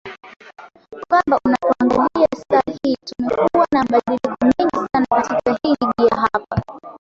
kwamba unapoangalia saa hii tumekuwa na mabadiliko mengi sana katika hii ligi ya hapa